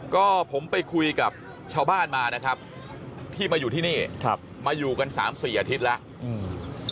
ก็ผมไปคุยกับชาวบ้านมานะครับที่มาอยู่ที่นี่มาอยู่กัน๓๔อาทิตย์แล้ว